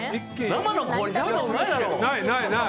生の氷、ない。